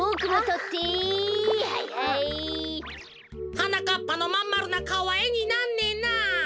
はなかっぱのまんまるなかおはえになんねえな。